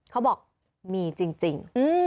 เขาบอกมีจริง